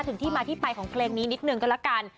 ถึงมาที่ใบของเพลงนี้นิดนึงกันละกัน